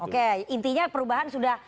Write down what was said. oke intinya perubahan sudah